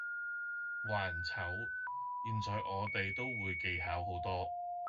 話人醜，現在我哋都會技巧好多